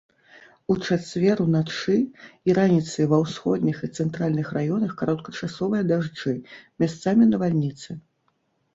У чацвер уначы і раніцай ва ўсходніх і цэнтральных раёнах кароткачасовыя дажджы, месцамі навальніцы.